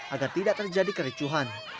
agar tidak terjadi kericuhan